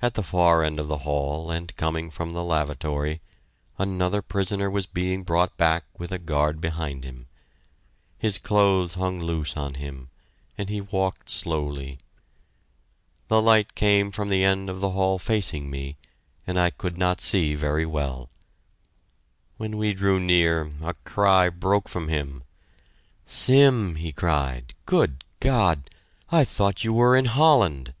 At the far end of the hall and coming from the lavatory, another prisoner was being brought back with a guard behind him. His clothes hung loose on him, and he walked slowly. The light came from the end of the hall facing me, and I could not see very well. When we drew near, a cry broke from him "Sim!" he cried. "Good God!... I thought you were in Holland."